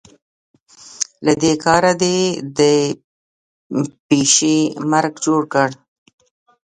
له دې کاره دې د پيشي مرګ جوړ کړ.